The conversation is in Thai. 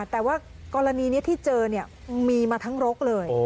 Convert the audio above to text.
แต่ว่ากรณีนี้ที่เจอมีมาทั้งรกเลย